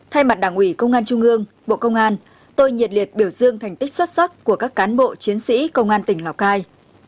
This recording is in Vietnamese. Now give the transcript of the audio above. thay mặt đảng ủy công an trung ương bộ công an tôi nhiệt liệt biểu dương thành tích xuất sắc của các cán bộ chiến sĩ công an tỉnh lào cai